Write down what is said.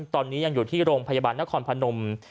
ตอนนี้ยังอยู่ที่โรงพยาบาลนครพนม